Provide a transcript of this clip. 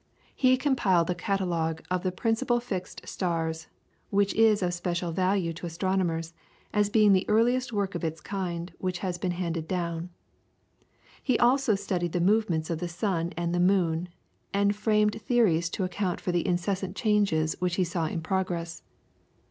He compiled a catalogue of the principal fixed stars, which is of special value to astronomers, as being the earliest work of its kind which has been handed down. He also studied the movements of the sun and the moon, and framed theories to account for the incessant changes which he saw in progress.